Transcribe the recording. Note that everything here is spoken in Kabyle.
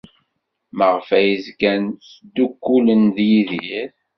Maɣef ay zgan ttdukkulen ed Yidir?